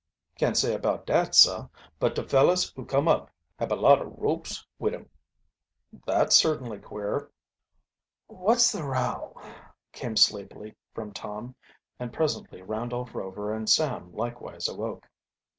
"Can't say about dat, sah. But de fellers who come up hab a lot ob ropes wid 'em." "That's certainly queer." "What's the row?" came sleepily from Tom, and presently Randolph Rover and Sam likewise awoke.